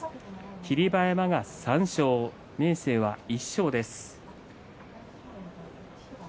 霧馬山は３勝、明生は１勝です。